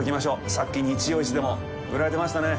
さっき、日曜市でも売られてましたね。